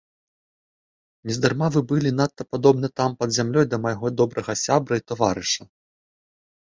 Нездарма вы былі надта падобны там пад зямлёй да майго добрага сябра і таварыша.